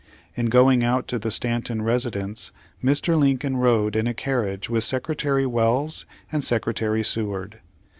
In going out to the Stanton residence Mr. Lincoln rode in a car riage with Secretary Wells and Secretary Seward.